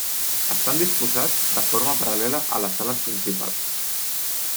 Estan disposats de forma paral·lela a les ales principals.